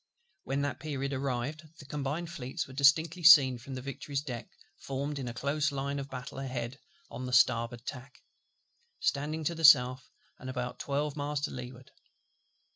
When that period arrived, the Combined Fleets were distinctly seen from the Victory's deck, formed in a close line of battle ahead on the starboard tack, standing to the south, and about twelve miles to leeward.